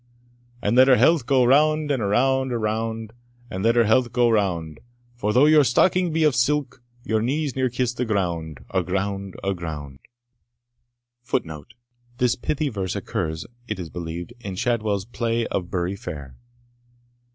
And let her health go round, around, around, And let her health go round; For though your stocking be of silk, Your knees near kiss the ground, aground, aground." This pithy verse occurs, it is believed, in Shadwell's play of Bury Fair.